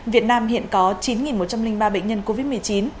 việt nam hiện có chín một trăm linh ba bệnh nhân covid một mươi chín